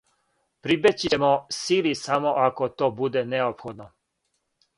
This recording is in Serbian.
Прибећићемо сили само ако то буде неопходно.